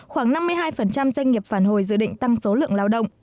khoảng năm mươi hai doanh nghiệp phản hồi dự định tăng số lượng lao động